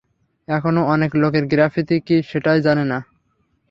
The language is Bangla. এখানো অনেক লোকের গ্রাফিতি কি সেটাই জানে না।